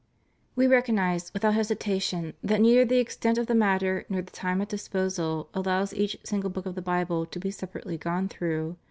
We recognize, without hesitation, that neither the extent of the matter nor the time at disposal allows each single book of the Bible to be separately gone through.